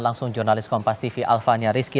langsung jurnalis kompas tv alvania rizky